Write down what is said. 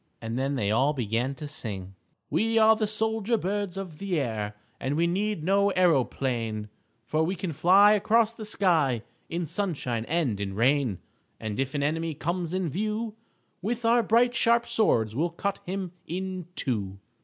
And then they all began to sing: _We are the soldier birds of the air, And we need no aeroplane, For we can fly across the sky In sunshine and in rain. And if an enemy comes in view With our bright sharp swords we'll cut him in two.